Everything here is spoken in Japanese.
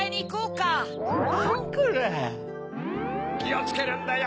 きをつけるんだよ！